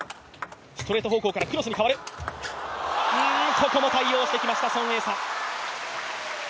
ここも対応してきました孫エイ莎。